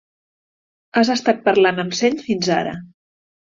Has estat parlant amb seny fins ara.